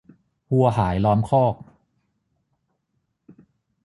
วัวหายล้อมคอก